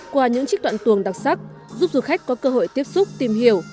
qua những trích đoạn tuồng đặc sắc giúp du khách có cơ hội tiếp xúc tìm hiểu